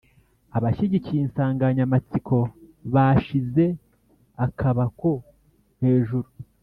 Abashyigikiye insanganyamatsiko bashize akabako hejuru